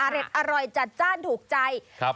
อร่อยจัดจ้านถูกใจครับ